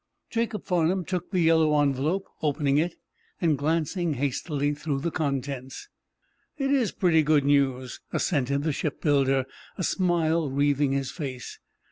Jacob Farnum took the yellow envelope, opening it and glancing hastily through the contents. "It is pretty good news," assented the shipbuilder, a smile wreathing his face.